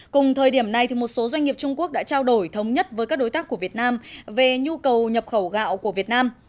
cùng thời điểm này một số doanh nghiệp trung quốc đã trao đổi thống nhất với các đối tác của việt nam về nhu cầu nhập khẩu gạo của việt nam